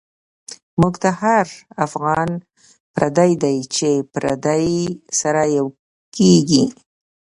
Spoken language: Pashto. مونږ ته هر افغان پردۍ دۍ، چی پردی سره یو کیږی